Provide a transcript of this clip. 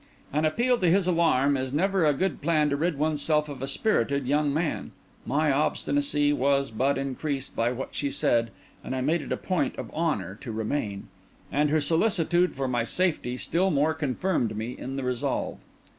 An appeal to his alarm is never a good plan to rid oneself of a spirited young man. My obstinacy was but increased by what she said, and I made it a point of honour to remain. And her solicitude for my safety still more confirmed me in the resolve.